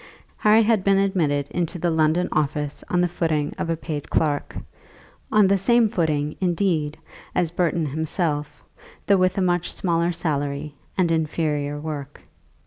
Harry had been admitted into the London office on the footing of a paid clerk, on the same footing, indeed, as Burton himself, though with a much smaller salary and inferior work.